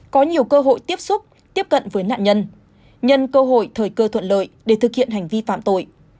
có nhiều cơ hội tiếp xúc tiếp cận với nạn nhân nhân cơ hội thời cơ thuận lợi để thực hiện hành vi phạm tội